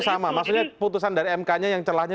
sama maksudnya putusan dari mk nya yang celahnya